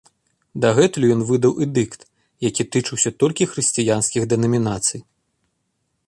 Дагэтуль ён выдаў эдыкт, які тычыўся толькі хрысціянскіх дэнамінацый.